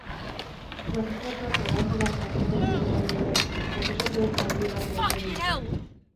Magistratuak erabaki bat hartzeko bildu baino lehen, akusatuek agiri bat irakurri dute.